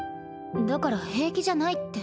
だから平気じゃないって。